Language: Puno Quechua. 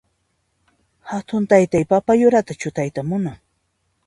Hatun taytay papa yuranta chutayta munan.